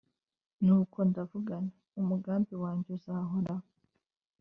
nuko ndavuga nti «umugambi wanjye uzahoraho,